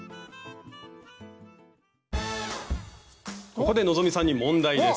ここで希さんに問題です。